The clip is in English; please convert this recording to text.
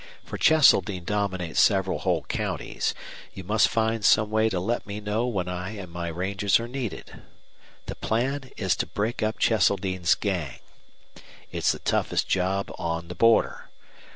For Cheseldine dominates several whole counties. You must find some way to let me know when I and my rangers are needed. The plan is to break up Cheseldine's gang. It's the toughest job on the border.